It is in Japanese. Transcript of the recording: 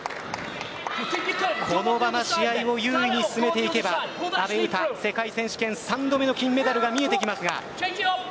このまま試合を優位に進めていけば阿部詩は世界選手権３度目の金メダルが見えてきます。